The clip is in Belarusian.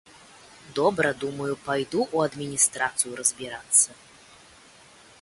Добра, думаю, пайду ў адміністрацыю разбірацца.